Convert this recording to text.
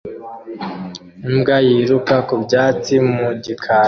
Imbwa yiruka ku byatsi mu gikari